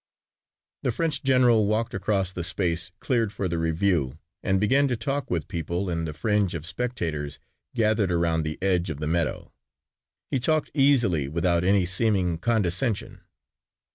The French general walked across the space cleared for the review and began to talk with people in the fringe of spectators gathered around the edge of the meadow. He talked easily without any seeming condescension.